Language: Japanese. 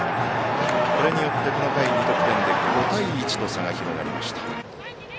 これによって、この回２得点で５対１と差が広がりました。